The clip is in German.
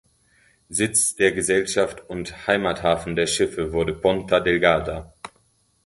Sitz der Gesellschaft und Heimathafen der Schiffe wurde Ponta Delgada.